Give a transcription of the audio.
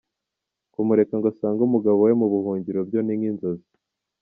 Kumureka ngo asange umugabo we mu buhungiro byo ni nk’inzozi!